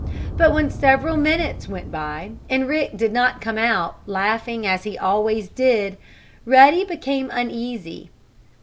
But when several minutes went by, and Rick did not come out, laughing as he always did, Ruddy became uneasy.